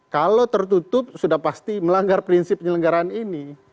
kalau tertutup sudah pasti melanggar prinsip penyelenggaraan ini